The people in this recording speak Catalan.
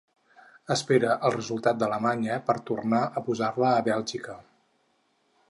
Espera el resultat d’Alemanya per tornar a posar-la a Bèlgica.